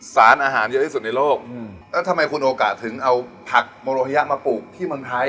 สารอาหารเยอะที่สุดในโลกแล้วทำไมคุณโอกะถึงเอาผักโมโรฮิยะมาปลูกที่เมืองไทย